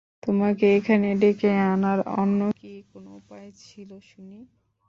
তোমাকে এখানে ডেকে আনার অন্য কী উপায় ছিল শুনি?